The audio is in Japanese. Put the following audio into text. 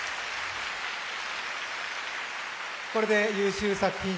これで優秀作品賞